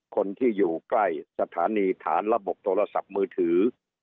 คนที่อยู่ใกล้สถานีฐานระบบโทรศัพท์มือถือ